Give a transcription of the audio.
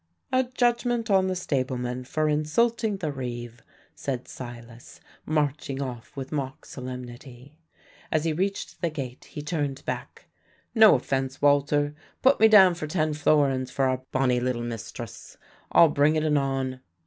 "A judgment on the stableman for insulting the reeve," said Silas, marching off with mock solemnity. As he reached the gate he turned back. "No offence, Walter; put me down for ten florins for our bonnie little mistress. I'll bring it anon."